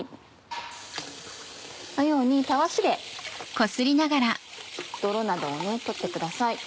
このようにたわしで泥などを取ってください。